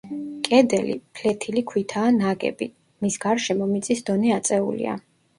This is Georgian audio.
კედელი ფლეთილი ქვითაა ნაგები, მის გარშემო მიწის დონე აწეულია.